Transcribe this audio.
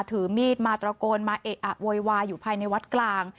ถือมีดมาตระโกนมาเอะอะโวยวายอยู่ภายในวัดกลาง